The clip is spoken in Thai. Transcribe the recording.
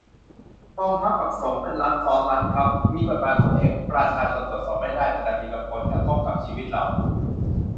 กองทัพ กับ สงฆ์ เป็นรัฐซ้อนรัฐครับ มีกฎหมายของตัวเอง ประชาชนตรวจสอบไม่ได้ แต่ดันมีผลกระทบกับชีวิตเรา